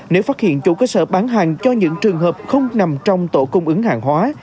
nếu phát hiện chủ cơ sở bán hàng cho những trường hợp không nằm trong tổ cung ứng hàng hóa